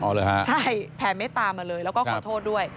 อ๋อเหรอฮะใช่แผ่เมตตามาเลยแล้วก็ขอโทษด้วย